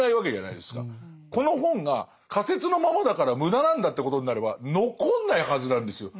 この本が仮説のままだから無駄なんだってことになれば残んないはずなんですよ。